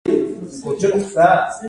دویم شرط د برابر ارزښت قایل کېدل دي.